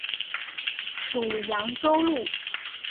属扬州路。